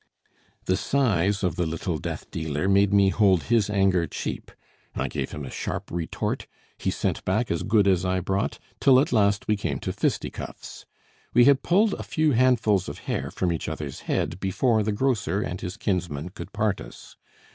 The size of the little death dealer made me hold his anger cheap. I gave him a sharp retort; he sent back as good as I brought, till at last we came to fisticuffs. We had pulled a few handfuls of hair from each other's head before the grocer and his kinsman could part us.